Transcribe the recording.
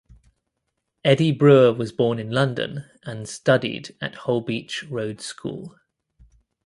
Eddie Brewer was born in London and studied at Holbeach Road School.